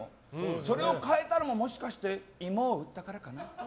それを変えたのももしかして芋を売ったからかな？